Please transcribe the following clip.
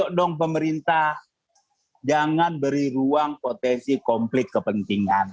ayo dong pemerintah jangan beri ruang potensi konflik kepentingan